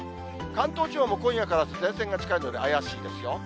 関東地方も今夜から前線が近いので、怪しいですよ。